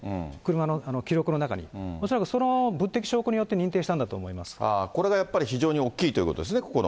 車の記録の中に、恐らくその物的証拠によって、認定したんだと思これがやっぱり、非常に大きいということですね、ここの。